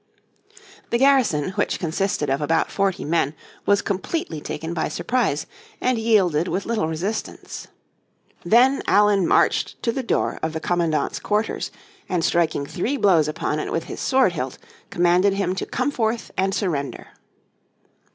The garrison which consisted of about forty men was completely taken by surprise, and yielded with little resistance. They Allen marched to the door of the commandment's quarters, and striking three blows upon it with his sword hilt, commanded him to come forth and surrender.